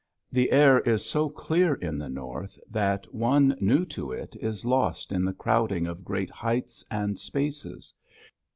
The air is so clear in the North that one new to it is lost in the crowding of great heights and spaces.